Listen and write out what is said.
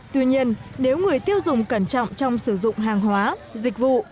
tuy nhiên nếu người tiêu dùng cẩn trọng trong sử dụng hàng hóa dịch vụ